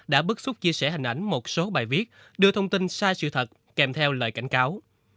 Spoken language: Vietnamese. đã bức xúc chia sẻ hình ảnh một số bài viết đưa thông tin sai sự thật kèm theo lời cảnh cáo